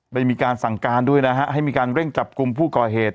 ได้มีการสั่งการด้วยนะฮะให้มีการเร่งจับกลุ่มผู้ก่อเหตุ